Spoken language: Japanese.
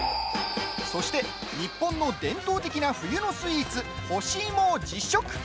そして、日本の伝統的な冬のスイーツ、干しいもを実食。